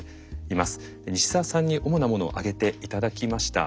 西澤さんに主なものを挙げて頂きました。